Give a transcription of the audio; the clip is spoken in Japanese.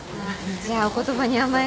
じゃあお言葉に甘えて。